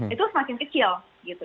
itu semakin kecil gitu